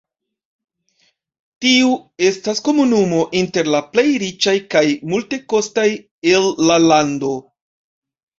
Tiu estas komunumo inter la plej riĉaj kaj multekostaj el la lando.